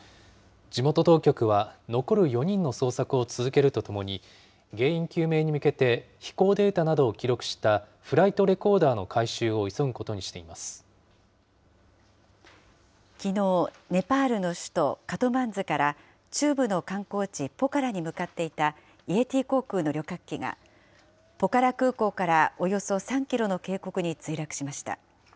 地元当局は、残る４人の捜索を続けるとともに、原因究明に向けて、飛行データなどを記録したフライトレコーダーの回収を急ぐことにきのう、ネパールの首都カトマンズから中部の観光地、ポカラに向かっていたイエティ航空の旅客機がポカラ空港からおよそ３キロの渓谷に墜落しました。